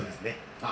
ああ。